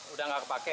udah gak kepake